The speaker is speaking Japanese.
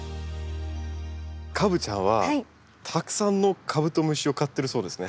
カブちゃんはたくさんのカブトムシを飼ってるそうですね。